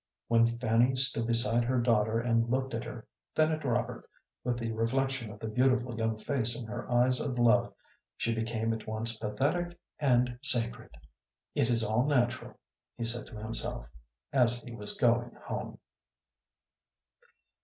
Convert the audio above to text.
When Fanny stood beside her daughter and looked at her, then at Robert, with the reflection of the beautiful young face in her eyes of love, she became at once pathetic and sacred. "It is all natural," he said to himself as he was going home.